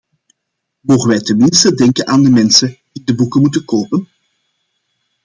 Mogen wij tenminste denken aan de mensen die de boeken moeten kopen?